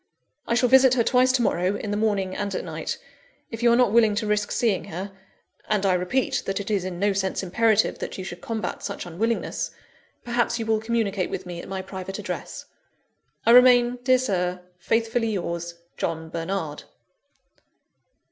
"I shall visit her twice to morrow, in the morning and at night. If you are not willing to risk seeing her (and I repeat that it is in no sense imperative that you should combat such unwillingness), perhaps you will communicate with me at my private address. "I remain, dear Sir, "Faithfully yours, "JOHN BERNARD.